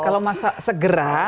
kalau masalah segera